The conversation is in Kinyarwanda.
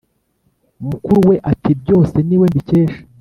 mukuruwe ati"byose niwe mbikesha